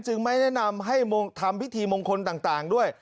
ไม่แนะนำให้ทำพิธีมงคลต่างด้วย